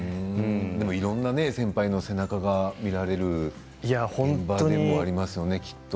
いろんな先輩の背中が見られる現場でもありますよねきっと。